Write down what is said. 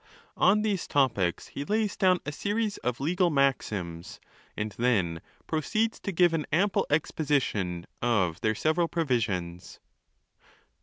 On these topics he lays down a series of legal maxims, and then proceeds to give an ample exposition of their several provisions.